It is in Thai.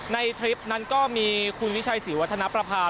ทริปนั้นก็มีคุณวิชัยศรีวัฒนประพา